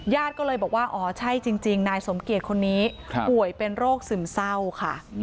ญาติก็เลยบอกว่าอ๋อใช่จริงนายสมเกียจคนนี้ป่วยเป็นโรคซึมเศร้าค่ะ